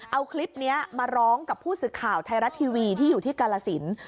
เอาคลิปนี้มาร้องกับผู้สื่อข่าวไทยรัฐทีวีที่อยู่ที่กาลสิน